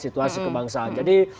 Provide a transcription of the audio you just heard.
situasi kebangsaan jadi